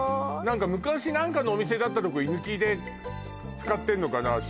何か昔何かのお店だったとこ居抜きで使ってんのかな？